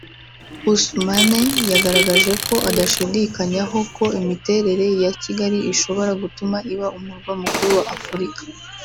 Ousmane yagaragaje ko adashidikanyaho ko imiterere ya Kigali ishobora gutuma iba umurwa mukuru wa Afurika